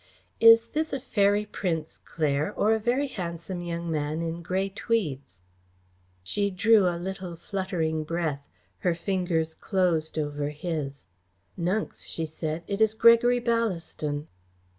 Is this a fairy prince, Claire, or a very handsome young man in grey tweeds?" She drew a little, fluttering breath. Her fingers closed over his. "Nunks," she said, "it is Gregory Ballaston."